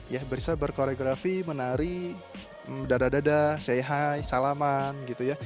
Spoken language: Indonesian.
ya bisa berkoreografi menari dadadada say hi salaman gitu ya